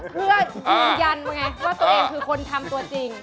เพื่อยืนยันไงว่าตัวเองคือคนทำตัวจริง